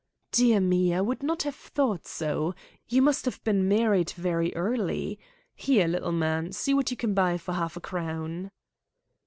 "Dear me, I would not have thought so. You must have been married very early. Here, my little man, see what you can buy for half a crown."